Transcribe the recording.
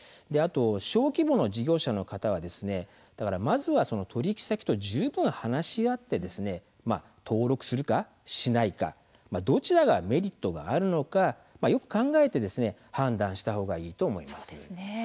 小規模の事業者の方はまずは取引先と十分話し合って登録するかしないかどちらがメリットがあるか考えて判断したほうがいいと思います。